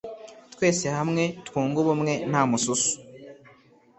twese hamwe, twunge ubumwe nta mususu